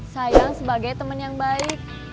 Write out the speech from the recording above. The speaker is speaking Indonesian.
sayang sebagai teman yang baik